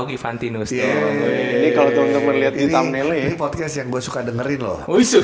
ini podcast yang gue suka dengerin loh